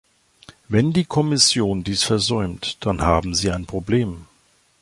Wenn die Kommission dies versäumt, dann haben Sie ein Problem.